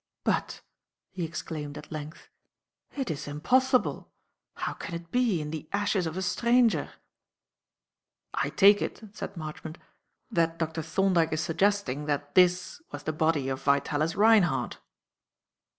"But," he exclaimed, at length, "it is impossible! How can it be, in the ashes of a stranger!" "I take it," said Marchmont, "that Dr. Thorndyke is suggesting that this was the body of Vitalis Reinhardt."